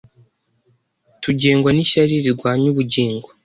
tugengwa n’ishyari rirwanya ubugingo.